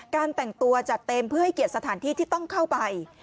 แต่งตัวจัดเต็มเพื่อให้เกียรติสถานที่ที่ต้องเข้าไป